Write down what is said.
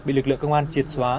bị lực lượng công an triệt xóa